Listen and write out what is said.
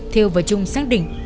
theo vở chung xác định